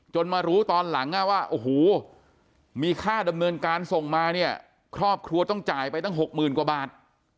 มารู้ตอนหลังว่าโอ้โหมีค่าดำเนินการส่งมาเนี่ยครอบครัวต้องจ่ายไปตั้ง๖๐๐๐กว่าบาท